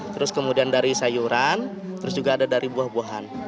terus kemudian dari sayuran terus juga ada dari buah buahan